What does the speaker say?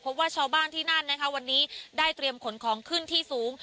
เพราะว่าชาวบ้านที่นั่นนะคะวันนี้ได้เตรียมขนของขึ้นที่สูง